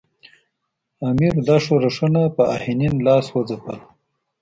امیر دا ښورښونه په آهنین لاس وځپل.